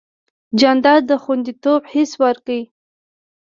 جانداد د خوندیتوب حس ورکوي.